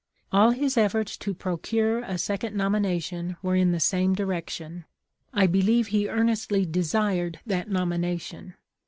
All his efforts to procure a second nomination were in the same direction. I TH£. LIFE OF LIXCOLX. 531 believe he earnestly desired that nomination.